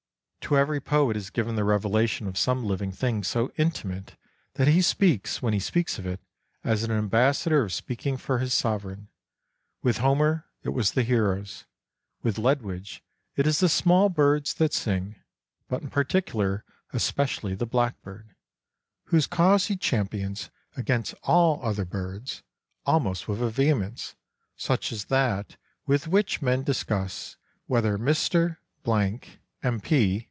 To every poet is given the revelation of some living thing so intimate that he speaks, when he speaks of it, as an ambassador speak ing for his sovereign; with Homer it was the heroes, with Ledwidge it is the small birds that sing, but in particular especially the blackbird, whose cause he champions against all other INTRODUCTION II birds almost with a vehemence such as that with which men discuss whether Mr. , M.P.